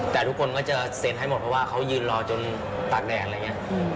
แต่ทุกคนก็จะเซ็นให้หมดเพราะว่าเขายืนรอจนตากแดดอะไรอย่างนี้